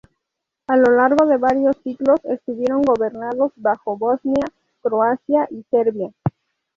A lo largo de varios siglos, estuvieron gobernados bajo Bosnia, Croacia y Serbia.